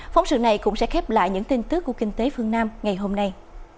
phóng sự này cũng sẽ khép lại những tin tức của kinh tế phương nam ngày hôm nay